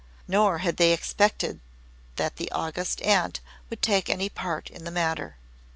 Nor had they expected that the August Aunt would take any part in the matter.